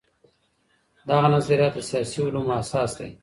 دغه نظريات د سياسي علومو اساس دي.